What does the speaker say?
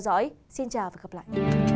dõi xin chào và hẹn gặp lại